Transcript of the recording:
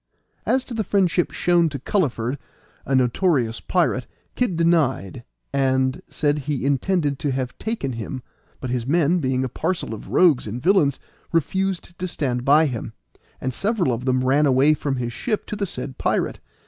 As to the friendship shown to Culliford, a notorious pirate, Kid denied, and said he intended to have taken him, but his men, being a parcel of rogues and villains, refused to stand by him, and several of them ran away from his ship to the said pirate.